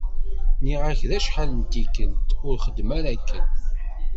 Nniɣ-ak-d acḥal d tikelt, ur xeddem ara akken.